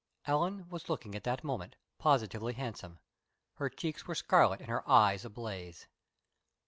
Ellen was looking at that moment positively handsome. Her cheeks were scarlet and her eyes ablaze.